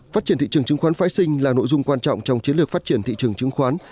phát triển thị trường chứng khoán phái sinh là nội dung quan trọng trong chiến lược phát triển thị trường chứng khoán